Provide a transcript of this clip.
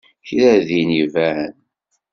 Kra din iban?